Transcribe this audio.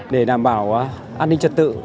để đảm bảo an ninh trả tự